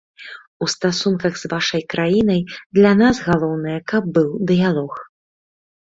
У стасунках з вашай краінай для нас галоўнае, каб быў дыялог.